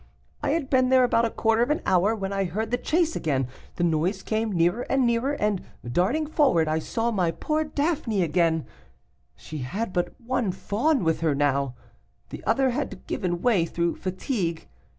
I had been there about a quarter of an hour, when I heard the chase again. The noise came nearer and nearer, and, darting forward, I saw my poor Daphne again; she had but one fawn with her now, the other had given way through fatigue.